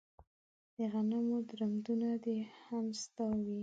د غنمو درمندونه دې هم ستا وي